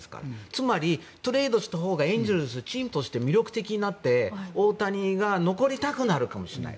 つまり、トレードしたほうがエンゼルスはチームとして魅力的になって大谷が残りたくなるかもしれない。